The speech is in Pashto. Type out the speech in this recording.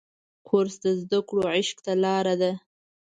کورس د زده کړو عشق ته لاره ده.